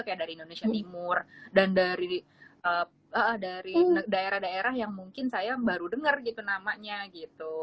kayak dari indonesia timur dan dari daerah daerah yang mungkin saya baru dengar gitu namanya gitu